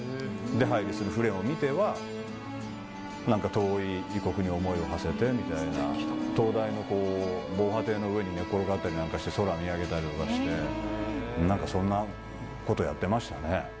出入りする船を見ては、なんか遠い異国に思いをはせてみたいな、灯台の防波堤の上に寝っ転がったりなんかして空見上げたりとかして、なんかそんなことやってましたね。